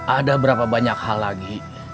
ada berapa banyak hal lagi